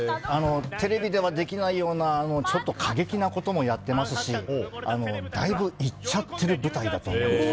テレビではできないようなちょっと過激なこともやってますしだいぶいっちゃってる舞台だと思います。